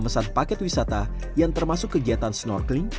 mereka biasanya memesan paket wisata yang termasuk kegiatan snorkeling